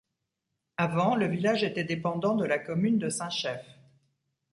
Avant, le village était dépendant de la commune de Saint-Chef.